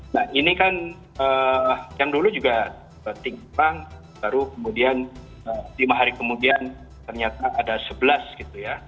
nah ini kan yang dulu juga timbang baru kemudian lima hari kemudian ternyata ada sebelas gitu ya